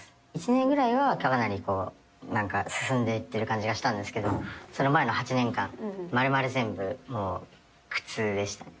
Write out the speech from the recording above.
１年ぐらいは、かなりなんか進んでいってる感じがしたんですけれども、その前の８年間、まるまる全部、もう苦痛でしたね。